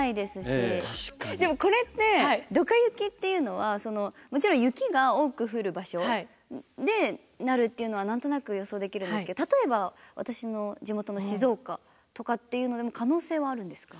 でもこれってドカ雪っていうのはもちろん雪が多く降る場所でなるっていうのは何となく予想できるんですけど例えば私の地元の静岡とかっていうのでも可能性はあるんですか？